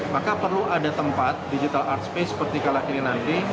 maka perlu ada tempat digital art space seperti kala kini nanti